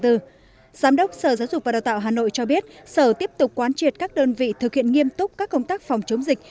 giám đốc sở giáo dục và đào tạo hà nội cho biết sở tiếp tục quán triệt các đơn vị thực hiện nghiêm túc các công tác phòng chống dịch